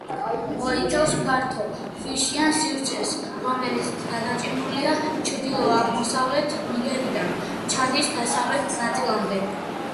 მოიცავს ფართო, ქვიშიან სივრცეს, რომელიც გადაჭიმულია ჩრდილო-აღმოსავლეთ ნიგერიდან ჩადის დასავლეთ ნაწილამდე.